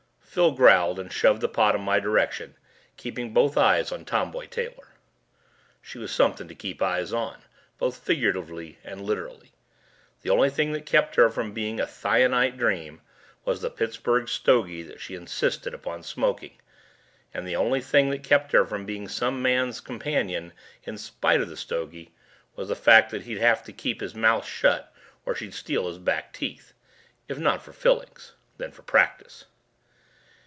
Phil growled and shoved the pot in my direction, keeping both eyes on Tomboy Taylor. She was something to keep eyes on, both figuratively and literally. The only thing that kept her from being a thionite dream was the Pittsburgh stogie that she insisted upon smoking, and the only thing that kept her from being some man's companion in spite of the stogie was the fact that he'd have to keep his mouth shut or she'd steal his back teeth if not for fillings, then for practice.